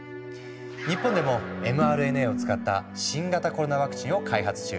日本でもｍＲＮＡを使った新型コロナワクチンを開発中。